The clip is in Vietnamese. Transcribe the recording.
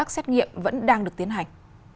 xét nghiệm vẫn đang được tiến hành